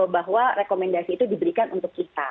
bahwa rekomendasi itu diberikan untuk kita